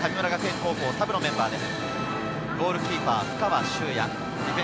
高校サブのメンバーです。